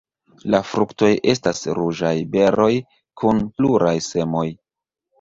La fruktoj estas ruĝaj beroj kun pluraj semoj.